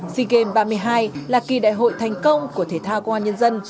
sea games ba mươi hai là kỳ đại hội thành công của thể thao công an nhân dân